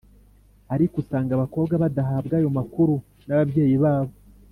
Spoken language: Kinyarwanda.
ariko usanga abakobwa badahabwa ayo makuru n’ababyeyi babo